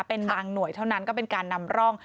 เป็นบางหน่วยเท่านั้นก็เป็นการนำร่อง